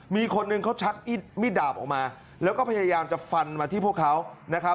มีคนหนึ่งเขาชักมีดดาบออกมาแล้วก็พยายามจะฟันมาที่พวกเขานะครับ